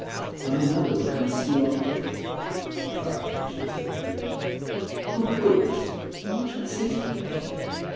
"My mother will come to see you after breakfast," said Clara, as she was taking her leave. "Oh, goodness! And what shall I say to her?"